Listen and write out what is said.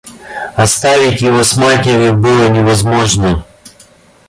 Оставить его с матерью было невозможно.